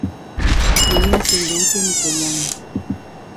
Tiene ascendencia nigeriana.